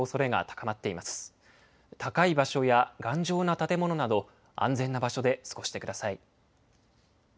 高い場所や頑丈な建物など、安全な場所で過ごしてください。